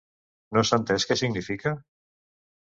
No s’ha entès què significa?